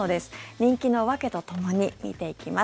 人気の訳とともに見ていきます。